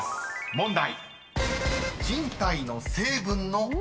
問題］